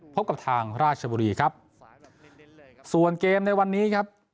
พบกับทางราชบุรีครับส่วนเกมในวันนี้ครับ